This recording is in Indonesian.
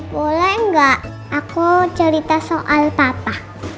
boleh nggak aku cerita soal tata